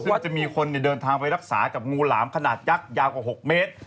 ว่าจะมีคนเดินทางไปรักษากับงูหลามขนาดยักษ์ยาวกว่า๖เมตร